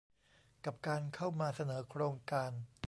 กับการเข้ามาเสนอโครงการ